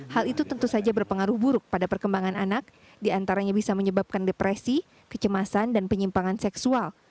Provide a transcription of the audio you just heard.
hal itu tentu saja berpengaruh buruk pada perkembangan anak diantaranya bisa menyebabkan depresi kecemasan dan penyimpangan seksual